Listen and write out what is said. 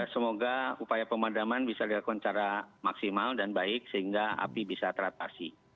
semoga upaya pemadaman bisa dilakukan secara maksimal dan baik sehingga api bisa teratasi